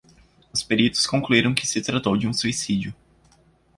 Os peritos concluiram que se tratou de um suicídio.